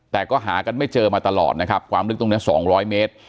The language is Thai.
แต่ก็หากันไม่เจอมาตลอดนะครับความลึกตรงนี้๒๐๐เมตร